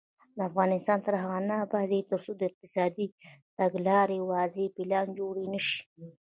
افغانستان تر هغو نه ابادیږي، ترڅو د اقتصادي تګلارې واضح پلان جوړ نشي.